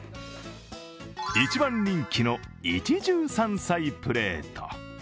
一番人気の一汁三菜プレート。